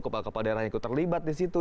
kepala kepala daerah yang ikut terlibat di situ